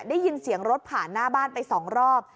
ได้ยินเสียงรถผ่านหน้าบ้านไป๒รอบ